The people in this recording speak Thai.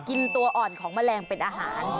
กินตัวอ่อนของแมลงเป็นอาหาร